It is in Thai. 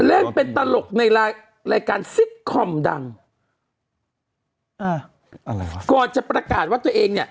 เล่นเป็นตลกในรายการซิตคอมดังอ่าอะไรก่อนจะประกาศว่าตัวเองเนี้ย